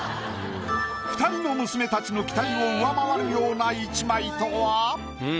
２人の娘たちの期待を上回るような一枚とは？